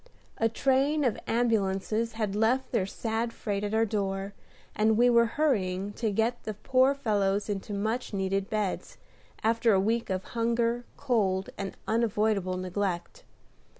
A train of ambulances had left their sad freight at our door, and we were hurrying to get the poor fellows into much needed beds, after a week of hunger, cold, and unavoidable neglect.